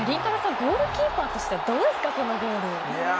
ゴールキーパーとしてはどうですか、このゴール。